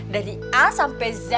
dari a sampe z